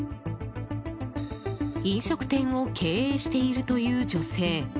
飲食店を経営しているという女性。